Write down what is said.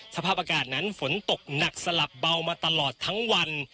สภาพอากาศนั้นฝนตกหนักสลับเบามาตลอดทั้งวัน